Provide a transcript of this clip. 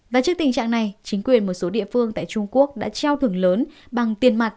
và trước tình trạng này chính quyền một số địa phương tại trung quốc đã treo thưởng lớn bằng tiền mặt